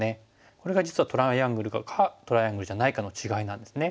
これが実はトライアングルかトライアングルじゃないかの違いなんですね。